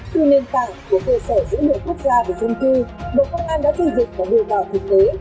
từ nền tảng của cơ sở dữ liệu quốc gia về dân cư bộ công an đã xây dựng và đưa vào thực tế